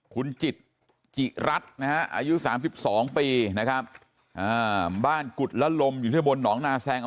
คุณจิตจิรัตนะครับอายุสี่สิบสองปีนะครับอ่าบ้านกุดละลมอยู่ที่บนหนองนาแซง